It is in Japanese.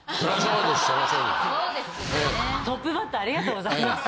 トップバッターありがとうございます。